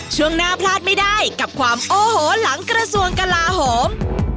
ช่วงหน้าพลาดไม่ได้กับความโอโหหลังกระทรวงกลาโหม